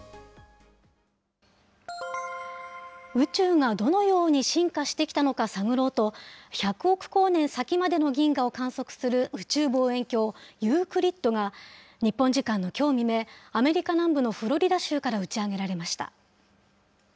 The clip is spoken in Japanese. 宇宙がどのように進化してきたのか探ろうと、１００億光年先までの銀河を観測する宇宙望遠鏡ユークリッドが、日本時間のきょう未明、アメリカ南部のフロリダ州から打ち上げられました。